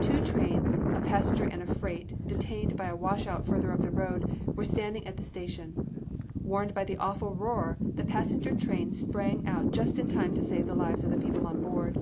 Two trains, a passenger and a freight, detained by a wash out further up the road, were standing at the station. Warned by the awful roar, the passenger train sprang out just in time to save the lives of the people on board.